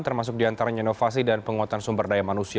termasuk diantaranya inovasi dan penguatan sumber daya manusia